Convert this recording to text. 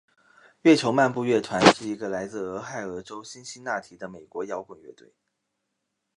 月球漫步乐团是一个来自俄亥俄州辛辛那提的美国摇滚乐队。